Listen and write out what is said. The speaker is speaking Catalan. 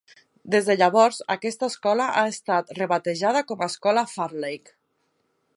Des de llavors, aquesta escola ha estat rebatejada com a escola Farleigh.